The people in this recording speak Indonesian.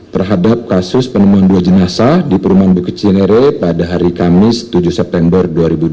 terhadap kasus penemuan dua jenazah di perumahan bukit cinere pada hari kamis tujuh september dua ribu dua puluh